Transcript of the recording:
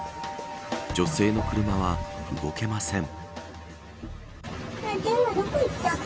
女性の車は動けません。